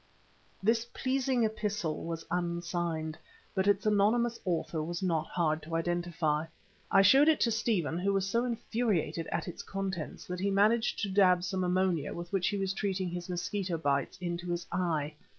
This pleasing epistle was unsigned, but its anonymous author was not hard to identify. I showed it to Stephen who was so infuriated at its contents that he managed to dab some ammonia with which he was treating his mosquito bites into his eye.